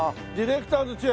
ディレクターズ